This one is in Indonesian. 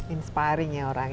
inspiring ya orang